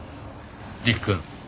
陸くん。